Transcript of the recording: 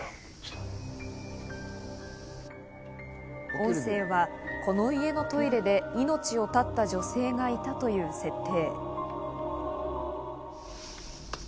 音声は、この家のトイレで命を絶った女性がいたという設定。